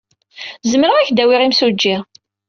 Zemreɣ ad ak-d-awiɣ imsujji.